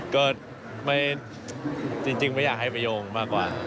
ก็ไม่จริงไม่อยากให้ไปโยงมากกว่า